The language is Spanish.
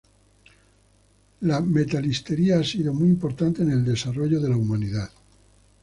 La metalistería ha sido muy importante en el desarrollo de la humanidad.